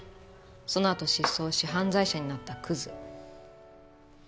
そのあと失踪し犯罪者になったクズ。